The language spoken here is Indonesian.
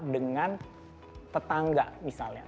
dengan tetangga misalnya